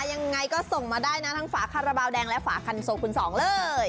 ยังไงก็ส่งมาได้นะทั้งฝาคาราบาลแดงและฝาคันโซคุณสองเลย